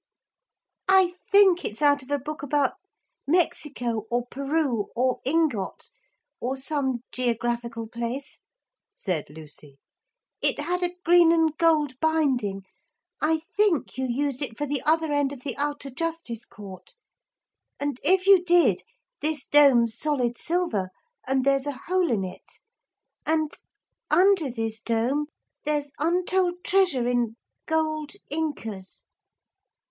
'I think it's out of a book about Mexico or Peru or Ingots or some geographical place,' said Lucy; 'it had a green and gold binding. I think you used it for the other end of the outer justice court. And if you did, this dome's solid silver, and there's a hole in it, and under this dome there's untold treasure in gold incas.'